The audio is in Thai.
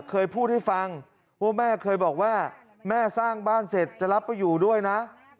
เคยพูดให้ฟังว่าแม่เคยบอกว่าแม่สร้างบ้านเสร็จจะรับไปอยู่ด้วยนะ